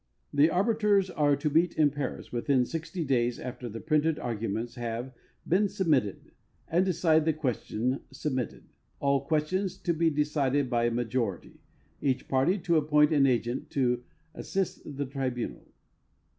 The arbiters are to meet in Paris within GO days after the printed arguments liave been submitted, and decide tiie questions submitted ; all questions to be decided l)y a majority ; each party to appoint an agent to assist the tribunal.